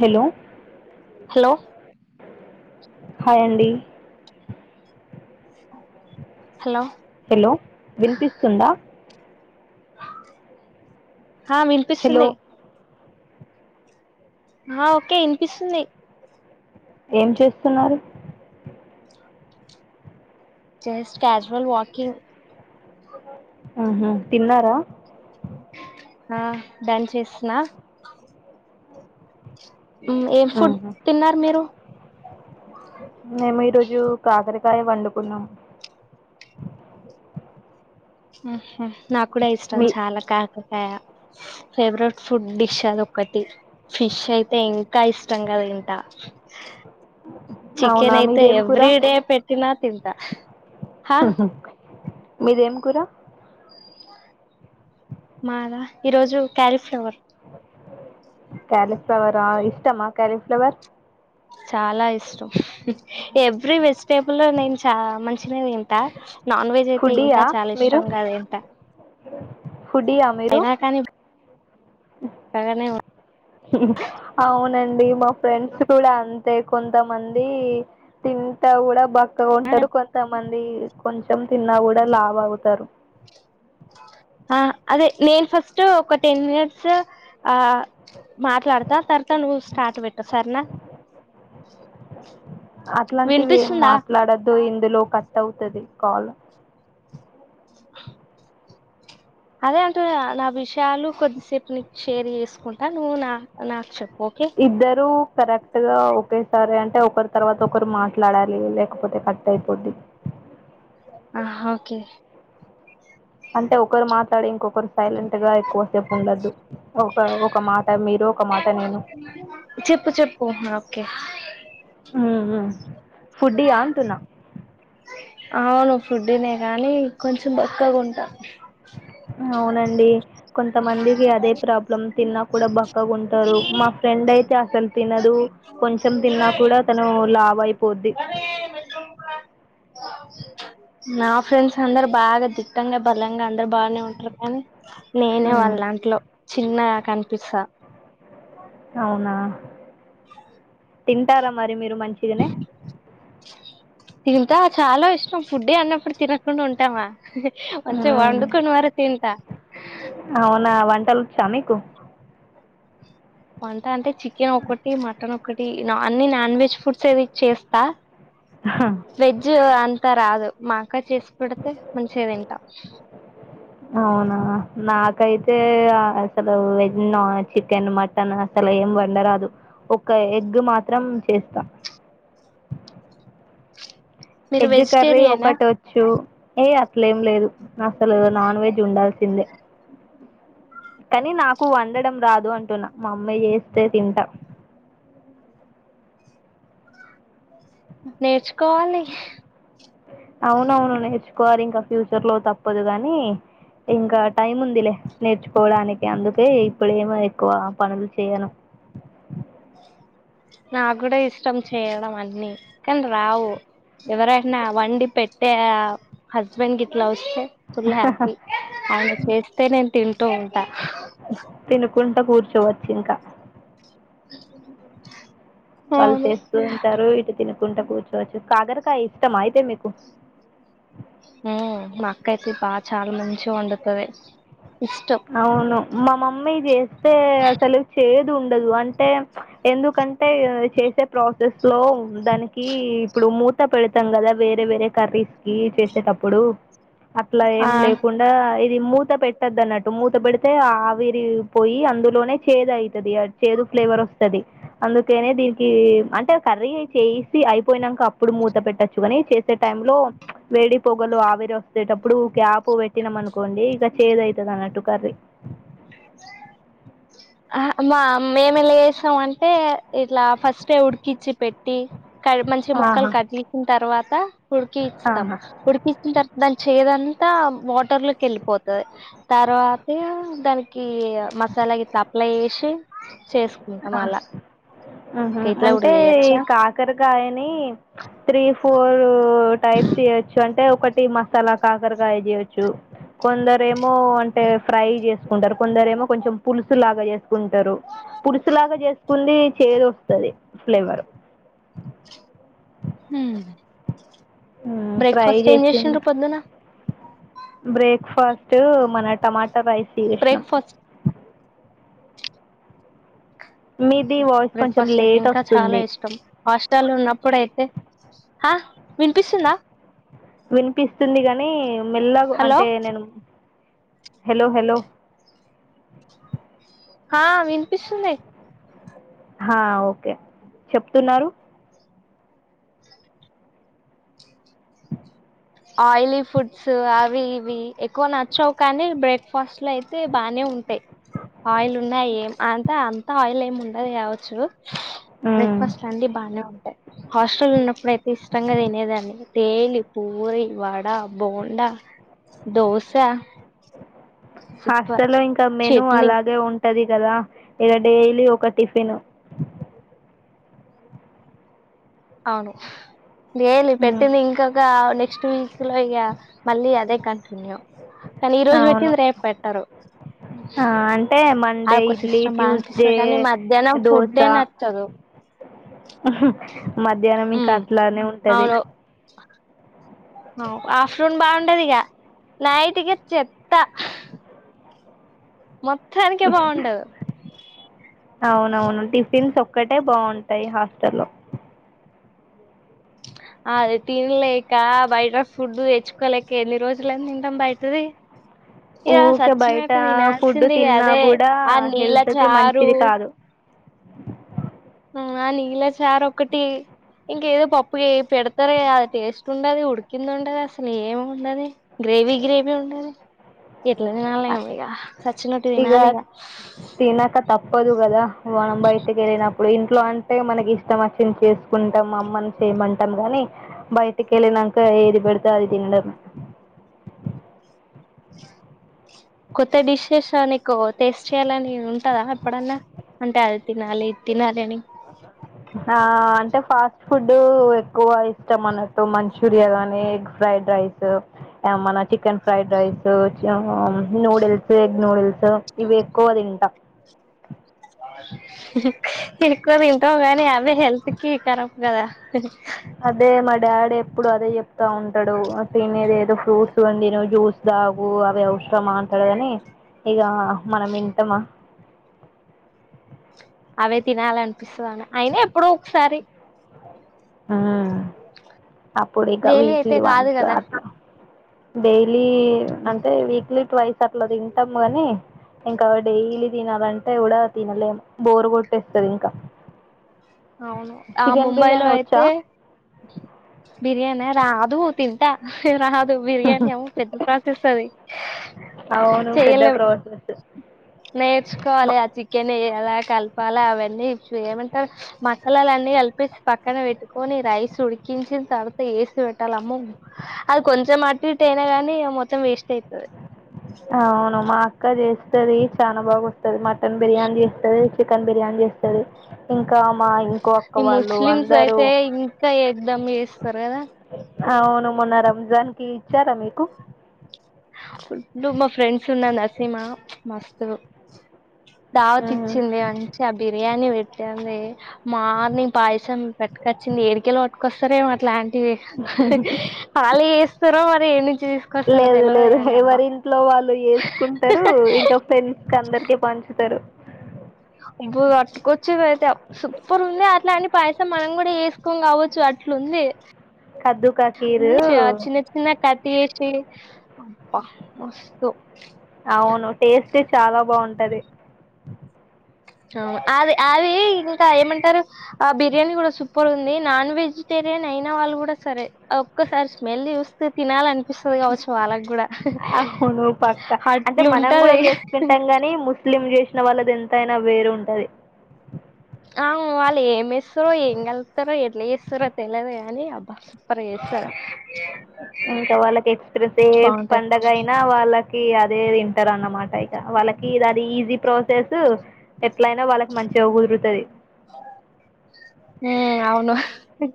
Hello hello hi అండి hello hello వినిపిస్తుందా హ హలో వినిపిస్తుంది ఆ ఓకే యినిపిస్తుంది ఏం చేస్తున్నారు జస్ట్ క్యాజువల్ వాకింగ్ ఆహా తిన్నారా హా డన్ చేస్తున్న ఉమ్ ఎం ఫుడ్ ఆహా తిన్నారు మీరు మేము ఈరోజు కాకరకాయ వండుకున్నాం ఉహుమ్ నాకూడా ఇష్టం మీ చాలా కాకరకాయ ఫేవరెట్ ఫుడ్ డిష్ అదొక్కటి ఫిష్ అయితే ఇంకా ఇష్టంగ తింటా చికెన్ అవునా అయితే మీదేం కూర ఎవ్రీడే పెట్టినా తింటా మీదెం కూర మాదా ఈరోజు క్యాలిఫ్లవర్ క్యాలీఫ్లవరా ఇష్టమా క్యాలిఫ్లవర్ చాలా ఇష్టం ఎవ్రీ వెజిటేబుల్ లో నేను చా మంచి గనే తింటా నాన్ వెజ్ అయితే ఇంకా ఫుడీయా చాలా ఇష్టంగా తింటా ఫుడియా మీరు అయినా కానీ బాగానే అవునన్ డి మా ఫ్రెండ్స్ కూడా అంతే కొంతమంది తింటా గుడా బ క్కగుంటరు కొంతమంది కొంచెం తిన్నా కూడా లావు అవుతారు అహ్ అదే నేను ఫస్ట్ ఒక టెన్ మినట్స్ ఆహ్ మాట్లాడతా తర్తా నువ్వు స్టార్ట్ పెట్టు సర్న అట్లాంటివి ఏం మాట్లాడద్దు ఇందులో కట్ అవుతది కాల్ అదే అంటున్న గా నా విషయాలు కొద్దిసేపుప్ షేర్ చేసుకుంటా నువ్వు నా నాక్చెప్ ఇద్దరూ కరెక్ట్ గా ఓకే సరే అంటే ఒకరి తర్వాత ఒకరు మాట్లాడాలి లేకపోతే కట్ అయిపోద్ది ఆ హకె అంటే ఒకరు మాట్లాడి ఇంకొ కరు సైలెంట్ గా ఎక్కువసేపు ఉండద్దు ఒక ఒక మాట మీరు ఒక మాట నేను చెప్పు చెప్పు హా కే ఫుడ్డి య అంటున్న అవును ఫుడ్డి నెగానీ కొంచెం బక్కగుంటా హ అవునండి కొంతమందికి అదే ప్రాబ్లమ్ తిన్నా కూడా బక్కగుంటరూ మా ఫ్రెండ్ అయితే అసలు తినదు కొంచెం తిన్నా కూడా తను ఓ లావ్వైపోద్ది నా ఫ్రెండ్స్ అందరు బాగా దిట్టంగా బలంగా అందరు బానే ఉంటరు కానీ నేనే ఉమ్, వాళ్ళ దాంట్లో చిన్నగా కనిపిస్తా అవునా తింటార మరి మీర్ రు మంచిగనే తింటా చాలా ఇష్టం ఫుడ్డీ అన్నప్పుడు తినకుండ ఉంటామా మంచిగా మ్మ్ వండుకొని మరి తింటా చ మీకు వంట అంటే చికెన్ ఒకటి మటన్ ఒకటి అన్ని నాన్ వెజ్ ఫుడ్స్ ఏవి చేస్తా వెజ్ అంతా రాదు మ అక్క చేసి పెడితే మంచిగాదిం టా అవునా నాకైతే అసలు వెజ్న్ చికెన్ మటన్ అసలు అలా ఏం వండరాదు ఒక ఎగ్ మాత్రం చేస్తా మీరు ఎగ్ కర్రీ వెజిటేరియనా ఒకటి వచ్చు ఏయి అట్లేం లేదు అసలు నాన్ వెజ్ ఉండాల్సిందే కానీ నాకు వండడం రాదు అం టున్నా మా అమ్మే చేస్తే తింటాం నేర్చుకోవాలి అవునవును నేర్చుకోవాలి ఇంకా ఫ్యూచర్ లో తప్పదు కాని ఇంకా టైం ఉందిలే నేర్చుకోవడానికి అందుకే ఇప్పుడేమో ఎక్కువ పనులు చేయను నాక్ కూడా ఇష్టం చేయడం అన్ని కానీ రావు ఎవరైనా వండి పెట్టే ఆ హస్బెండ్ గిట్లా వస్తే ఫుల్ హ్యాపీ అయన చేస్తే నేను తింటూ ఉంటా కుంట కూర్చోవచ్చు ఇంకా వాళ్ళు అవును చేస్తూ ఉంటారు ఇటు తిన్ కుంట కూర్చోవచ్చు కాకరకాయ ఇష్టం అయితే మీకు ఉ మ అక్క అయితే బాగ్ చాలా మంచిగా వండుతుంది అవును మా మమ్మీ చేస్తే అసలు చేదు ఉండదు అంటే ఎందుకంటే చేసే ప్రాసెస్ లో దానికి ఇప్పుడు మూ త పెడతాం కదా వేరే వేరే కర్రీస్ కి చేసేటప్పుడు అట్లా ఆ ఏం లేకుండా ఇది మూత పెట్టదు అన్నట్ మూత పెడితే ఆవిరి పోయి అందులోనే చేదు అయితది చేదు ఫ్లేవర్ వస్తది అందుకేనే దీనికి అంటే కర్రీ చేసి అయిపోయినాక అప్పుడు మూత పెట్టచ్చు అని చేసే టైమ్ లో వేడి పొగలు ఆవిరి వస్తేటప్పుడు క్యాప్ పెట్టినాం అనుకోండి ఇక చేద్ ఐతద్ అన్నట్టు కర్రీ హా మా మేమే లెస్నం అంటే ఇట్లా ఫస్ట్ ఉడికిచి పెట్టి కర్ మంచి ముక్కలు ఆహా కట్ చేసుకున్ తర్వాత ఉడికి స్తాం ఆహా ఉడిపిచ్చిన తర్వాత దాని చేదాన్ త వాటర్ లోకి వెళ్ళిపోతది తర్వాత దానిక్ కి మసాలా ఇట్లా అప్లై చేసి చేసు ఆ ఊహ్మ్మ్ ఇట్లా కూడా అంటే ఈ చేయొచ్చా కాకరకాయని త్రీ ఫోరు ఫోర్ టైప్స్ చేయచ్చు అంటే ఒకటి మసాలా కాకరకాయ చేయచు కొందరెమో ఏమో అంటే ఫ్రై చేసుకుంటారు కొందరు ఏమో కొంచెం పులుసు లాగా చేసుకుంటారు పులుసులాగా చేసుకుంది చేదు వస్తది ఫ్లేవర్ హ్మ్మ్ ఉహ్ ఫ్రై చేస్తుంది పొద్దున బ్రేక్ఫాస్ట్ టూ మన టమాట రైస్ చేస్నం బ్రేక్ఫాస్ట్ మీది ఓకే వాయిస్ కొంచెం బ్రేక్ఫాస్ట్ అయితే లేట్ ఇంకా చాలా వస్తుంది ఇష్టం హాస్టల్ ఉన్నప్పుడుయితే హ విన్పిస్తుందా వినిపిస్తుంది గాని మెల్లగా హలో అంటే నేను హలో హలో హ విన్పిస్తున్నాయి హ ఓకే చెప్తున్నారు ఆయిలీ ఫుడ్స్ అవి ఇవి ఎక్కువ నచ్చావు కానీ బ్రేక్ఫాస్ట్ లో అయితే బానే ఉంటాయి ఆయిల్ ఉన్నాయి ఏం అంత అంత ఆయిల్ ఏమి ఉండదు కావచ్చు మ్మ్ బ్రేక్ఫాస్ట లన్ని బానే ఉంటాయి హాస్టల్ ఉన్నప్పుడైయితే ఇష్టంగా తినేదాన్ని డైలీ పూ పూరి వడా బోండా దోశ సూపర్ హాస్టలో ఇంకా మెను చట్నీ అలాగే ఉం ఉంటది కదా ఈడ డైలీ ఒక టిఫిన్ అవును డైలీ మ్మ్ పెట్టింది ఇంకొక నెక్స్ట్ వీక్ లో ఇగ మళ్ళీ అదే కంటిన్యూ కానీ ఈ రోజు అవును పెట్టింది రేపు పెట్టరు ఆ అంటే మండే అదొక ఇడ్లీ సిస్టమ్ బాగా ట్యూస్డే అనిపిస్తుంది కానీ మధ్యాహ్నం దోశ ఫుడ్డే నచ్చదు మధ్యాహ్నం ఇంకా ఉమ్ అట్లానే ఉంటది అవును ఆఫ్టర్నూన్ బాగుండది ఇగ నైట్ కి చెత్త మొత్తానికె బాగుండదు అవునవును టిఫిన్స్ ఒక్కటే బాగుంటాయి హాస్టలో ఆడ తినలేక బయట ఫుడ్ తెచ్చుకోలేక ఎన్ని రోజులని తింటాం బయటది ఇగ ఊకే బయట సచినట్టు ఫుడ్ తినాల్సింది ఇగ తిన్నా అదే కూడా ఆ నీళ్ళ హెల్త్ కి చారు మంచిది కాదు ఆ నీళ్ళ చారు ఒక్కటి ఇంకేదో పప్పు ఏ పెడతార అది టేస్ట్ ఉండది ఉడికింది ఉండది అసలు ఏమి ఉండది గ్రేవి గ్రేవి ఉండది ఎట్లా తినలేమో ఇగ సచ్చినట్టు ఇక తినాలిగా తినక తప్పదు కదా మనం బయటకెళ్ళినప్పుడు ఇంట్లో అంటే మనకిష్టం వచ్చింది చెస్ కుంటాం అమ్మని చేయమంటాం కాని బయటకెళ్ళినంక ఏదిపడ్తే అది తినడం కొత్త డిషెస్ నీకు టేస్ట్ చేయ్యాలని ఉంటదా ఎప్పుడన్నా అంటే అ ఆ అంటే ఫాస్ట్ ఫుడ్ ఎక్కువ ఇష్టం మనకు మంచూరియా గానీ ఎగ్ ఫ్రైడ్ రైస్ మన chicken chicken fried rice noodles egg noodles ఇవి ఎక్కువ తింటం ఎక్కువ తింటాం కాని అవే హెల్త్ కి కరాబ్ కదా అదే మా డాడీ ఎప్పుడదే చెప్తా ఉంటాడు ఆతినేదేదో ఫ్రూట్స్ [unintelligible] జ్యూస్ తాగు అవి అవసరమా అంటాడు కానీ ఇగ మనం వింటామ అవే తినాలనిపిస్తదని అయినా ఎప్పుడో ఒకసారి ఆ అప్పుడిక డైలీ వీక్లీ అయితే కాదు వన్స్ కదా డైలీ లీ అంటే వీక్లీ ట్వైస్ అట్ల తింటాము కానీ ఇంకా డైలీ తినాలంటే కూడా తినలేం బోరు కొట్టేస్తదింకా అవును ఆ ముంబైలో అయితే బిర్యాని ఆ రాదు తింటా రాద్ బిర్యానీ అమ్మో పెద్ద ప్రాసెస్ అది అవును పెద్ద చెయలేము ప్రాసెస్ నేర్చుకోవాలి ఆ చికెన్ వే ఎలా కలపాలా అవన్నీ వేయమంటారు మసాలాలన్నీ కలిపేసి పక్కన పెట్టుకొని రైస్ ఉడికించిన తర్వాత వేసి పెట్టాలమ్మో అది కొంచెం అటిటు అయినా గానీ మొత్తం వేస్ట్ అయితది ఆ అవును మా అక్క చేస్తది చాలా బాగా వస్తది మటన్ బిర్యానీ చేస్తది చికెన్ బిర్యానీ చేస్తది ఇంకా మా అక్క ఈ వాళ్ళు ముస్లిమ్స్ అందరూ అయితే ఇంకా ఎక్దాం చేస్తరు కదా అవును మొన్న రంజాన్ కి ఇచ్చారా మీకు? అప్పుడు మా ఫ్రెండ్స్ ఉండే నరసింహ మస్తు ఉహు దావతిచ్చింది మంచిగా బిర్యానీ పెట్టింది. మార్నింగ్ పాయసం పట్టుకొచ్చింది ఏడికెలి పట్టుకొస్తరో ఏమో అట్లాంటి ఆళ్ళే చేస్తరో మరి ఏనుంచి తీసుకొస్తారో తెల్వద్ గాని అబ్బా ఎవర్ ఇంట్లో వాళ్ళు చేస్కుంటరు ఇంకా ఫ్రెండ్స్క్ అందరికి పంచుతరు ఇప్పు గట్టుకొచ్చింది అయితే అప్ సుప్పర్ ఉంది అట్ల అని పాయసం మనం కూడ ఏస్కోం కావచ్చు అట్ లుంది కద్దు కా ఊ ఖీరు చ్ చిన్న చిన్న క [unintelligible] అబ్బ మస్తు అవును టేస్టే చాల బావుంటది. ఊ అది ఆవి ఇంకా ఏమంటరు అ బిర్యానీ కూడా సుప్పర్ ఉంది నాన్ వెజ్ టెరియన్ అయిన వాళ్ళు కూడా సరే ఒక్కసారి స్మెల్ చూస్తే తినాలన్ అహును పక్క అంటె అట్లు మనం గూడ ఉంటది చేస్తుంటం కని ముస్లిం చేష్ వాళ్లద్ ఎంతైనా వేర్ ఉంటది. ఆ వాళ్ళు ఏమ్ ఏస్తరో ఏం కల్ప్తరో ఎట్ల చేస్తరో తెలదు కాని అబ్బా. సూపర్ చేస్తారు ఇంక వాళ్ళకి ఎక్స్ప్రెస్ ఏ బాగుంటది పండగ ఐనా వాళ్ళ కి అదే తింటర్ అన్నమాట ఇగ వాళ్ళకి ఇగ అది ఈజీ ప్రాసెసు ట్లైనా వాళ్ళక్ మంచిగ కుద్రుతది. హి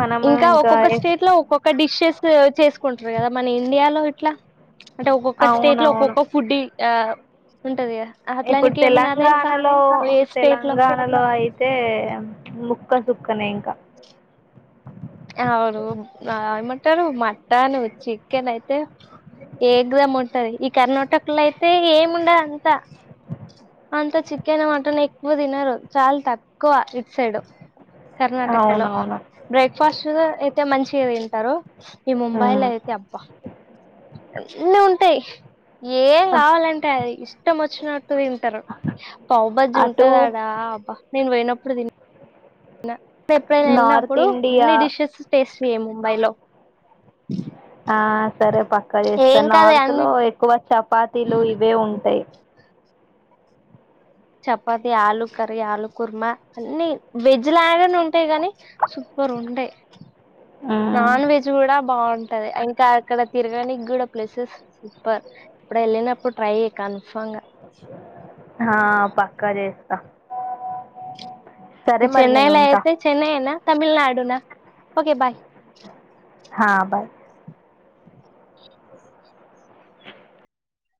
మనము ఇంకా ఒక్కొక్క ఎ- స్టేట్ లో ఒక్కొక్క డిష్షెస్ చేస్కుంటర్ కదా మన ఇండియాలో ఇట్ల అంటె ఒక్కొక్క స్టేట్ లో ఒక్కొక్క ఫుడ్డి ఆ ఉంటది కదా ఇప్పుడ్ అట్లానికి ఏమన్నా తెలుసా తెలంగాణలో ఏ స్టేట్ లో తెలంగాణలొ ఐతే ముక్క సుక్కనె ఇంక ఔను ఆ ఏమంటరు మట్టను, చిక్కెన్ అయితే ఏగ్ధం ఉంటది ఇ కర్నాటక్లొ అయితే ఇగ్ ఏం ఉండద్ అంత. అంత చిక్కెన్, మట్టన్ ఎక్వ తినరు చాల తక్వ ఇట్ సైడు. కర్ణాటకలొ అవునవును బ్రే ఫాస్టుగా అయితే మంచిగ తింటరు. ఈ మొంబైలో ఉమ్. అయితే అబ్బ అన్నుంటయ్ ఏం కావాలంటె అది ఇష్టం ఒచ్చినట్టు తింటరు. పావ్ బజ్జి అటు ఉంటదాడా అబ్బ నేన్ వొయినప్పుడు దిన్ న ఎప్పుడైన నార్త్ ఎళ్నప్పుడు ఇండియా అన్ని డిష్షెస్ టేస్ట్ చెయ్ ముంబై లో ఆ సరే పక్క చేస్త కాదు నార్త్ అన్ని లో ఎక్కువ చపాతీలు ఇవే ఉంటయ్. చపాతి ఆలు కర్రీ ఆలు కుర్మ అన్ని వెజ్ లాగనె ఉంటయ్ గని సుప్పర్ ఉండే ఉమ్. నాన్ వెజ్ గుడ బాన్ టది ఇంకా అక్కడ తిర్గనిక్ గుడ ప్లెస్సెస్ సుప్పర్ ఇప్పుడ్ ఎళ్ళినప్పుడు ట్రై యి కన్ఫా అ హా పక్క జేస్త ఇ నేను చెన్నైలొ ఉంటా ఐతె చెన్నైఏనా, తమిళ్నాడునా ఒకె బాయ్ హా బ